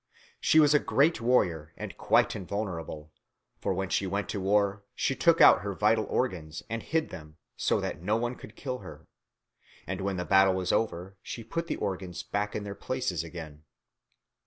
She was a great warrior and quite invulnerable; for when she went to war she took out her vital organs and hid them, so that no one could kill her; and when the battle was over she put the organs back in their places again.